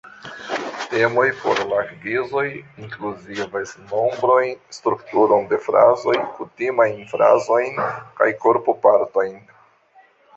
Temoj por la kvizoj inkluzivas nombrojn, strukturon de frazoj, kutimajn frazojn kaj korpopartojn.